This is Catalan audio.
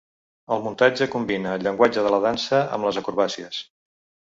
El muntatge combina el llenguatge de la dansa amb les acrobàcies.